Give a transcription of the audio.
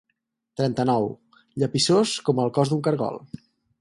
Trenta tou, llepissós com el cos d'un cargol.